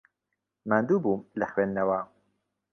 ماندوو بووم لە خوێندنەوە.